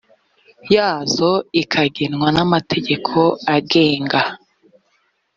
yazo ikagenwa n amategeko agenga